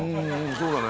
そうだね